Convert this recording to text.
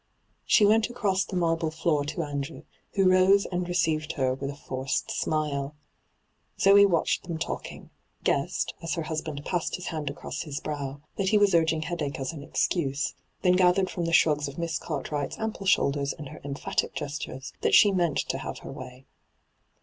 She went across the marble floor to Andrew, who rose and received her with a forced smile. Zoe watched them talking — guassed, as her husband passed his hand across his brow, that he was urging headache as an excuse ; then gathered from the shmga of Miss Cartwright's ample shoulders and her emphatic gestures that she meant to have her way.